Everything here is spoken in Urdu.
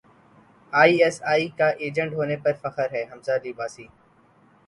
ائی ایس ائی کا ایجنٹ ہونے پر فخر ہے حمزہ علی عباسی